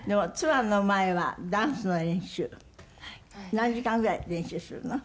何時間ぐらい練習するの？